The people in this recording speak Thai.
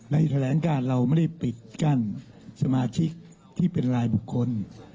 แถลงการเราไม่ได้ปิดกั้นสมาชิกที่เป็นรายบุคคล